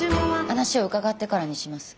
話を伺ってからにします。